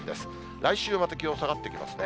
来週また気温下がってきますね。